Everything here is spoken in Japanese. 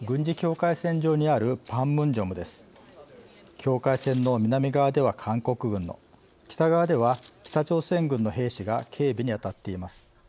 境界線の南側では韓国軍の北側では北朝鮮軍の兵士が警備に当たっています。